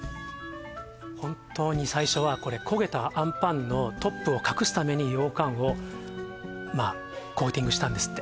本当に最初は焦げたあんぱんのトップを隠すために羊羹をコーティングしたんですって